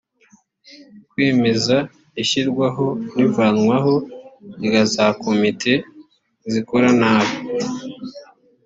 kwemeza ishyirwaho n’ivanwaho rya za komite zikora nabi